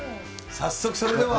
早速、それでは。